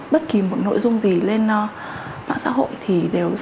bất kỳ một nội dung gì lên mạng xã hội